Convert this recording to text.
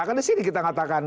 kan disini kita ngatakan